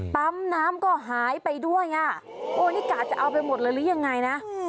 ปั๊มน้ำก็หายไปด้วยอ่ะโอ้นี่กะจะเอาไปหมดเลยหรือยังไงนะ